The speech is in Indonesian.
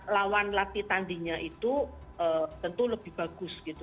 lawan latih tandingnya itu tentu lebih bagus gitu